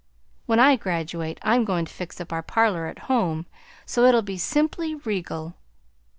When I graduate, I'm going to fix up our parlor at home so it'll be simply regal.